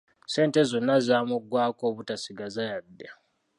Ssente zonna zaamugwako obutasigaza yadde!